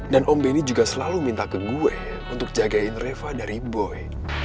dan om benny juga selalu minta ke gue untuk jagain reva dari boy